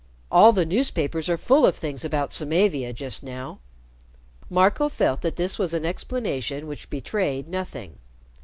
All the newspapers are full of things about Samavia just now." Marco felt that this was an explanation which betrayed nothing.